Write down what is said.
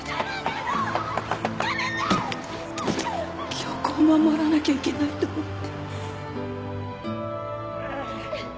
恭子を守らなきゃいけないと思って。